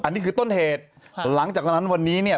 อันนี้คือต้นเหตุหลังจากนั้นวันนี้เนี่ย